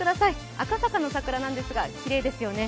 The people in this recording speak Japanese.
赤坂の桜なんですがきれいですよね。